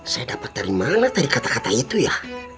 saya dapat dari mana dari kata kata itu ya